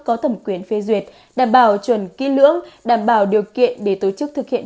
có thẩm quyền phê duyệt đảm bảo chuẩn kỹ lưỡng đảm bảo điều kiện để tổ chức thực hiện